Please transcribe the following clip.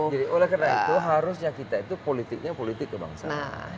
jadi oleh karena itu harusnya kita itu politiknya politik kebangsaan